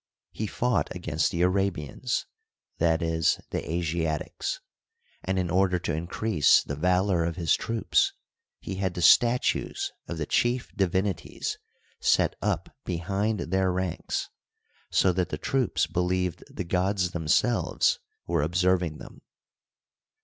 He fought against the Arabians (i. e., the Asiatics), and, in order to increase the valor of his troops, he had the statues of the chief divinities set up behind their ranks, so that the troops believed the gods them selves were observing them.